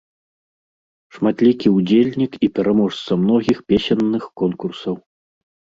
Шматлікі ўдзельнік і пераможца многіх песенных конкурсаў.